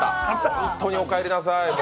本当にお帰りなさい。